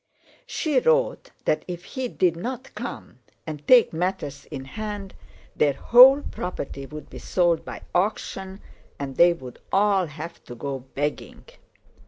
She wrote that if he did not come and take matters in hand, their whole property would be sold by auction and they would all have to go begging.